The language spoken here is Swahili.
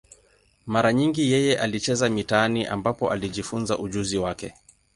Mara nyingi yeye alicheza mitaani, ambapo alijifunza ujuzi wake.